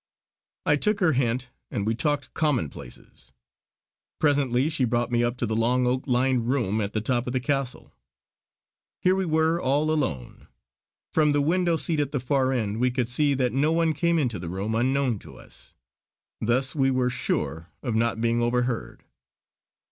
I took her hint, and we talked commonplaces. Presently she brought me up to the long oak lined room at the top of the Castle. Here we were all alone; from the window seat at the far end we could see that no one came into the room unknown to us. Thus we were sure of not being overhead.